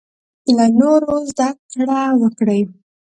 له نورو زده کړه وکړې.